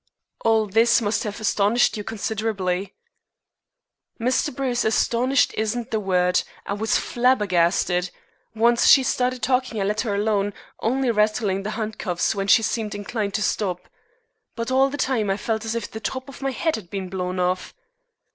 "All this must have astonished you considerably?" "Mr. Bruce, astonished isn't the word. I was flabbergasted! Once she started talking I let her alone, only rattling the handcuffs when she seemed inclined to stop. But all the time I felt as if the top of my head had been blown off."